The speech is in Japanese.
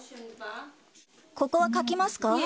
ここは書きますか？